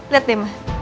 liat deh ma